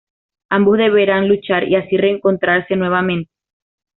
Ambos deberán luchar y así reencontrarse nuevamente.